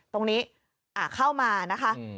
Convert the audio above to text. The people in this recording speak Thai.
ตรงนี้เข้ามานะคะ